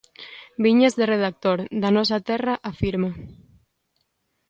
Viñas de redactor d'A Nosa Terra, afirma.